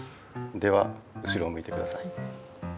では後ろをむいてください。